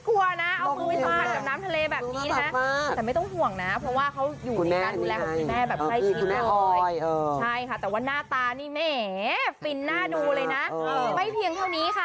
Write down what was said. เราก็กลัวนะแต่เข้าไม่กลัวนะเอามือไปพาดกับน้ำทะเลแบบนี้น่ะ